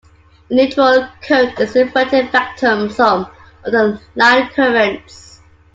The neutral current is the inverted vector sum of the line currents.